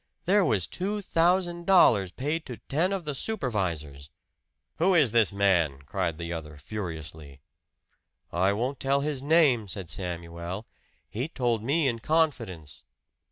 "There was two thousand dollars paid to ten of the supervisors." "Who is this man?" cried the other furiously. "I won't tell his name," said Samuel. "He told me in confidence."